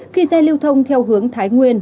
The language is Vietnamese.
khi xe lưu thông theo hướng thái nguyên